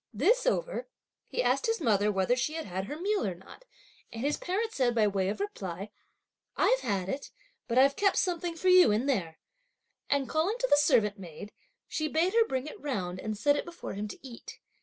This over, he asked his mother whether she had had her meal or not, and his parent said by way of reply: "I've had it, but I've kept something for you in there," and calling to the servant maid, she bade her bring it round, and set it before him to eat.